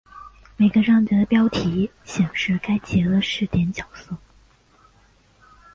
每个章节的标题显示该节的视点角色。